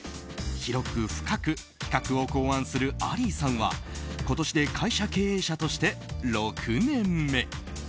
広く深く企画を考案するアリーさんは今年で会社経営者として６年目。